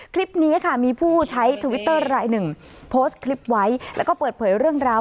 คลิปนี้ค่ะมีผู้ใช้ทวิตเตอร์รายหนึ่งโพสต์คลิปไว้แล้วก็เปิดเผยเรื่องราว